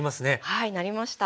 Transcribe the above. はいなりました。